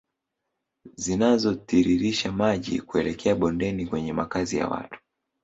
Zinazotiririsha maji kuelekea bondeni kwenye makazi ya watu